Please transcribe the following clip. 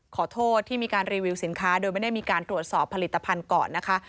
ขอโทษที่มีการรีวิวสินค้าโดยไม่ได้มีการตรวจสอบผลิตภัณฑ์ก่อนนะคะ